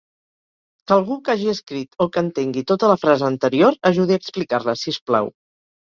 Que algú que hagi escrit o que entengui tota la frase anterior ajudi a explicar-la, si us plau.